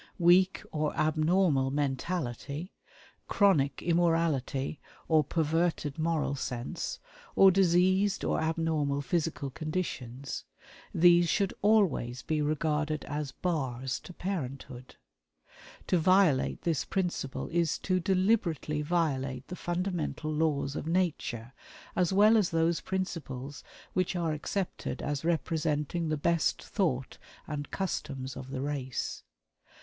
Weak or abnormal mentality; chronic immorality or perverted moral sense; or diseased or abnormal physical conditions these should always be regarded as bars to parenthood. To violate this principle is to deliberately violate the fundamental laws of Nature, as well as those principles which are accepted as representing the best thought and customs of the race.